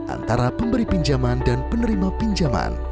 antara pemberi pinjaman dan penerima pinjaman